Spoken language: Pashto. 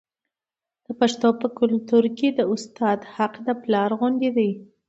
د پښتنو په کلتور کې د استاد حق د پلار غوندې دی.